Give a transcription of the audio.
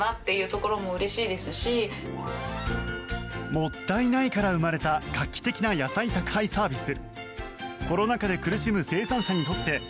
もったいないから生まれた画期的な野菜宅配サービス。